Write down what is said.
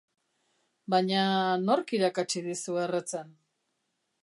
Baina, nork irakatsi dizu erretzen?